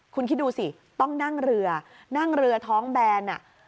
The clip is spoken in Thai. คุณคิดดูสิต้องนั่งเรือนั่งเรือท้องแบน